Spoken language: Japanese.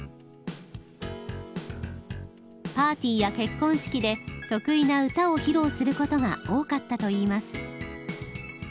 パーティーや結婚式で得意な歌を披露することが多かったといいます。